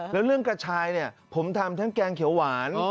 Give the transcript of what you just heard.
แล้วเรื่องกระชายเนี่ยผมทำทั้งแกงเขียวหวาน